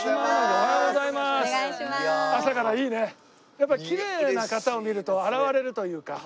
やっぱりキレイな方を見ると洗われるというか。